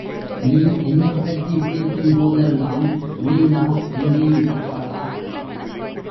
நீ என்னைப் பற்றிப் பேசும் போதெல்லாம் லீலா அங்கே இருப்பாளா?